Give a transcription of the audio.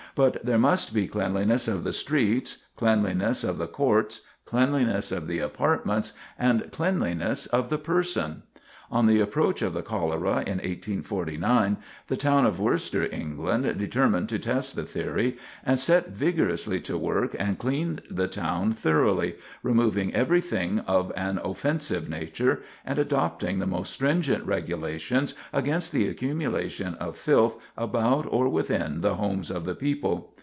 But there must be cleanliness of the streets, cleanliness of the courts, cleanliness of the apartments, and cleanliness of the person. On the approach of the cholera in 1849 the town of Worcester, England, determined to test the theory, and set vigorously to work and cleaned the town thoroughly, removing everything of an offensive nature, and adopting the most stringent regulations against the accumulation of filth about or within the homes of the people.